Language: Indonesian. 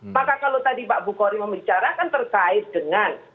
maka kalau tadi pak bukhari membicarakan terkait dengan